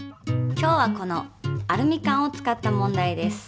今日はこのアルミ缶を使った問題です。